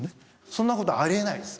そんなことありえないです